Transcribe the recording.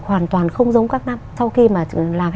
hoàn toàn không giống các năm sau khi mà